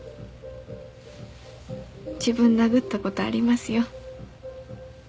自分殴ったことありますよ。